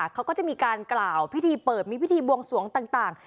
เขาก็จะมีการกล่าวพิธีเปิดมีพิธีบวงสวงต่าง